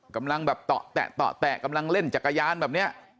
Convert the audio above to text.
กำลังแบบเตาะแตะกำลังเล่นจักรยานแบบนี้